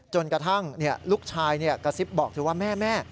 จนกระทั่งลูกชายกระซิบบอกเธอว่าแม่